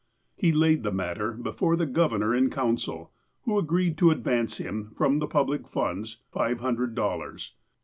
He laid the matter before the Governor in Council, who agreed to advance him, from the public funds, five hun dred dollars.